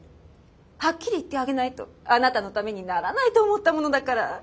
はっきり言ってあげないとあなたのためにならないと思ったものだから。